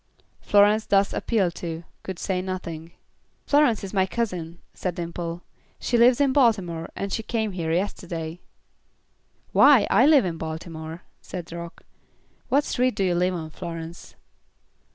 Florence thus appealed to, could say nothing. "Florence is my cousin," said Dimple. "She lives in Baltimore and she came here yesterday." "Why, I live in Baltimore," said Rock. "What street do you live on, Florence?"